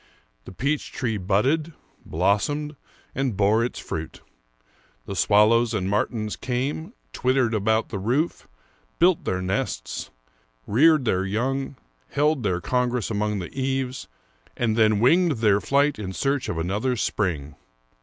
The peach tree budded, blossomed, and bore its fruit. The swallows and martins came, twittered about the roof, built their nests, reared their young, held their congress along the eaves, and then winged their flight in search of another spring.